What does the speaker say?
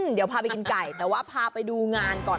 เดี๋ยวพาไปกินไก่แต่ว่าพาไปดูงานก่อน